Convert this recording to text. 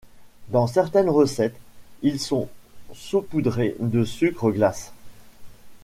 Dans certaines recettes, ils sont saupoudrés de sucre glace.